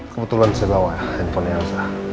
kebetulan saya bawa handphonenya elsa